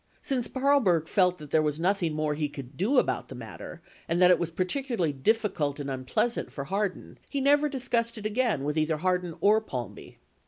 25 Since Paarlberg felt there was nothing more he could do about the matter and that, it was particularly "difficult" and "unpleasant" for Hardin, he never discussed it again w i th either Hardin or Palmby.